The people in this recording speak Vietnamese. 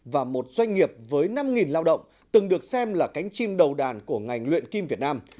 và một doanh nghiệp với năm lao động từng được xem là cánh chim đầu đàn của ngành luyện kim việt nam